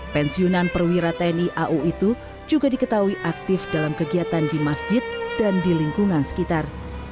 pensiunan perwira tni au itu juga diketahui aktif dalam kegiatan di masjid dan di lingkungan sekitar